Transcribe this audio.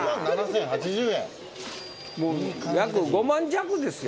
約５万弱ですよ